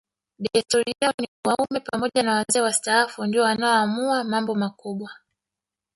Desturi yao ni wanaume pamoja na wazee wastaafu ndio wanaoamua mambo makubwa